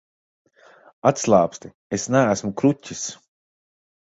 Atslābsti, es neesmu kruķis.